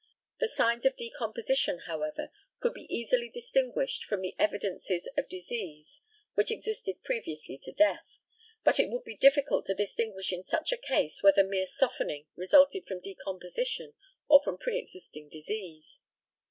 The signs of decomposition, however, could be easily distinguished from the evidences of disease which existed previously to death; but it would be difficult to distinguish in such a case whether mere softening resulted from decomposition or from pre existing disease.